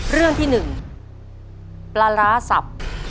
เรื่องที่๑ปลาร้าสับ